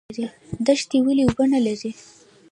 دښتې ولې اوبه نلري؟